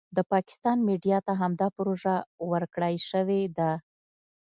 د پاکستان میډیا ته همدا پروژه ورکړای شوې ده.